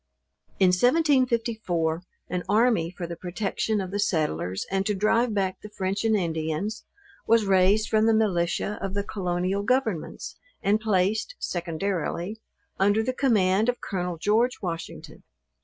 In 1754, an army for the protection of the settlers, and to drive back the French and Indians, was raised from the militia of the colonial governments, and placed (secondarily) under the command of Col. George Washington.